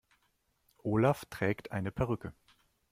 Olaf trägt eine Perücke.